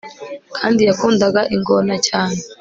kandi yakundaga ingona cyane